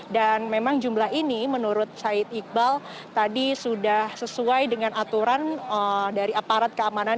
dan memang jumlah ini menurut said iqbal tadi sudah sesuai dengan aturan dari aparat keamanan